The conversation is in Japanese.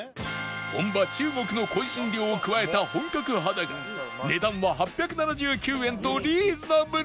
本場中国の香辛料を加えた本格派だが値段は８７９円とリーズナブル